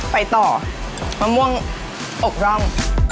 ไปต่อมะม่วงอกร่อง